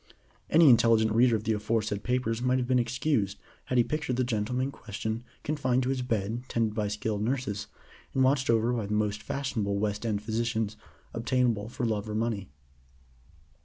Any intelligent reader of the aforesaid papers might have been excused had he pictured the gentleman in question confined to his bed tended by skilled nurses, and watched over by the most fashionable West End physicians obtainable for love or money.